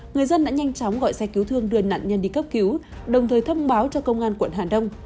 người dân đã nhanh chóng gọi xe cứu thương đưa nạn nhân đi cấp cứu đồng thời thông báo cho công an quận hà đông